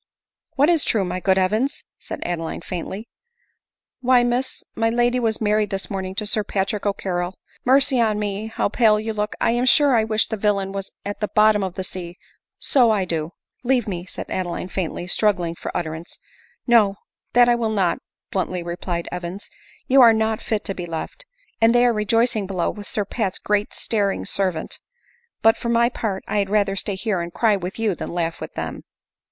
" What is true, ray good Evans ?" said Adeline faintly. " Why, Miss, my lady was married this morning to Sir Patrick O'Carrol !— Mercy on me, how pale you look ! I am sure 1 wish the villain was at the bottom of the sea, so I do;" " Leave me," said Adeline faintly, struggling for utter ance. " No — that I will not," bluntly replied Evans, " you are not fit to be left ; and they are rejoicing below with Sir Pat's great staring servant. But, for my part, 1 had rather stay here and cry with you than laugh with them."